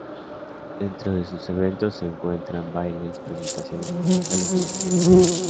Dentro de sus eventos se encuentran bailes, presentaciones musicales y desfiles.